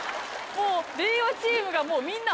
もう令和チームがもうみんな頭。